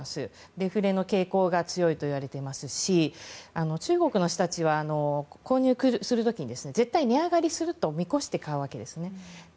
デフレの傾向が強いといわれていますし中国の人たちは購入する時に絶対に値上がりすると見越して買うわけですね。